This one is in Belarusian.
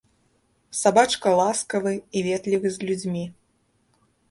Сабачка ласкавы і ветлівы з людзьмі.